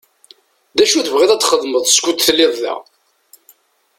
D acu i tebɣiḍ ad txedmeḍ skud telliḍ da?